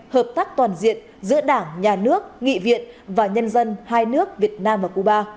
hợp tác toàn diện giữa đảng nhà nước nghị viện và nhân dân hai nước việt nam và cuba